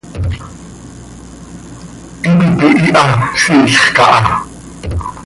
Hipi pihiiha, siilx caha.